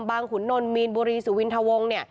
บางขุนนนตร์มีนบุรีสุวินทวงศ์